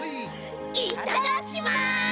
いただきます！